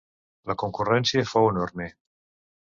La concurrència fou enorme.